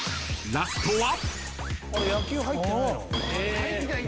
［ラストは］